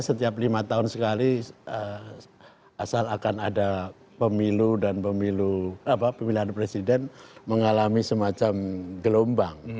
setiap lima tahun sekali asal akan ada pemilu dan pemilu pemilihan presiden mengalami semacam gelombang